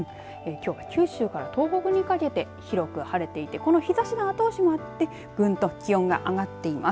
きょうは九州から東北にかけて広く晴れていてこの日ざしの後押しもあってぐんと気温が上がっています。